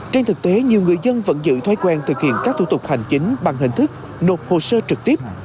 trên thực tế nhiều người dân vẫn giữ thói quen thực hiện các thủ tục hành chính bằng hình thức nộp hồ sơ trực tiếp